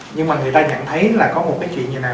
nhưng mà người ta nhận thấy là có một cái chuyện như này